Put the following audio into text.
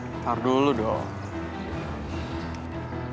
bentar dulu dong